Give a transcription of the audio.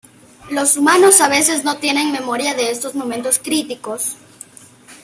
Los humanos a veces no tienen memoria de estos momentos críticos.